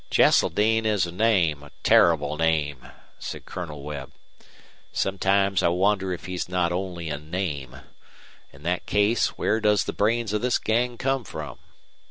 "Cheseldine is a name, a terrible name," said Colonel Webb. "Sometimes I wonder if he's not only a name. In that case where does the brains of this gang come from?